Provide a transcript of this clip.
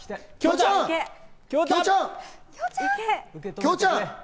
キョウちゃん！